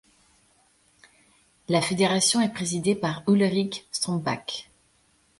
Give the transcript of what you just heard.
La fédération est présidée par Ulrich Strombach.